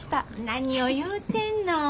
何を言うてんの。